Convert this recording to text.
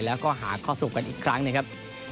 แล้วก็หาข้อสรุปกันอีกครั้งนะครับ